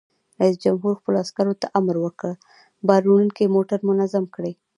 رئیس جمهور خپلو عسکرو ته امر وکړ؛ بار وړونکي موټر منظم کړئ!